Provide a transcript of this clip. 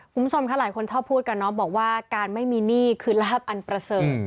คุณผู้ชมค่ะหลายคนชอบพูดกันเนาะบอกว่าการไม่มีหนี้คือลาบอันประเสริฐ